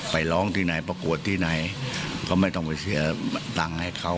ไปร้องที่ไหนประกวดที่ไหนก็ไม่ต้องไปเสียตังค์ให้เขา